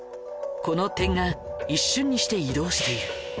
この点が一瞬にして移動している。